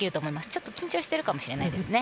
ちょっと緊張しているかもしれないですね。